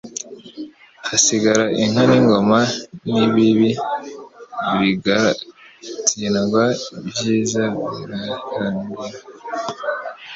hasigara inka n'ingoma ni Ibibi biragatsindwa, ibyiza birakagwira.